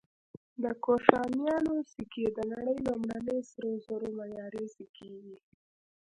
د کوشانیانو سکې د نړۍ لومړني سرو زرو معیاري سکې وې